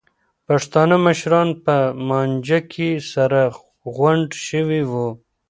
پښتانه مشران په مانجه کې سره غونډ شوي وو.